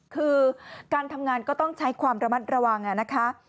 คือการทำงานก็ต้องใช้ความระมัดระวังนะคะ